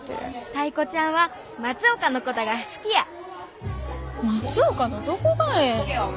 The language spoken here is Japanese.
タイ子ちゃんは松岡のことが好きや松岡のどこがええの？